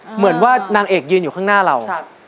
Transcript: เหมือนว่านางเอกยืนอยู่ข้างหน้าเรา